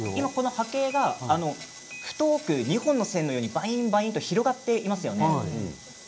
波形が太く２本の線のようにばいんばいんと広がっていますよね。